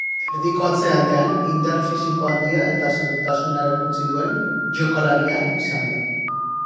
Erdiko atzealdean indar fisiko handia eta sendotasuna erakutsi duen jokalaria izan da.